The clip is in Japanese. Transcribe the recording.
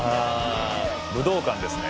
武道館ですね。